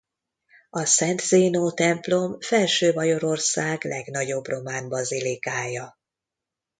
A Szent Zénó-templom Felső-Bajorország legnagyobb román bazilikája.